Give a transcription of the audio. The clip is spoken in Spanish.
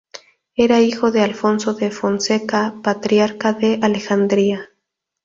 Era hijo de Alfonso de Fonseca, Patriarca de Alejandría.